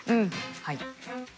はい。